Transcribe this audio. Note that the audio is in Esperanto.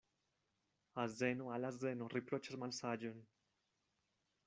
Azeno al azeno riproĉas malsaĝon.